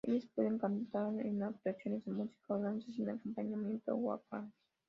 Ellas pueden cantar en actuaciones de música o danza sin acompañamiento, o "wayang".